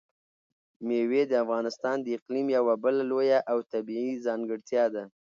مېوې د افغانستان د اقلیم یوه بله لویه او طبیعي ځانګړتیا ده.